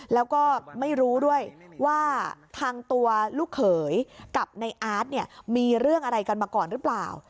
แล้วก็ไม่รู้ด้วยว่าทางตัวลูกเขยกับในอาร์ตเนี่ยมีเรื่องอะไรกันมาก่อนหรือเปล่า